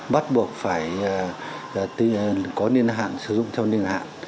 bắt buộc phải có nhiên hạn sử dụng theo nhiên hạn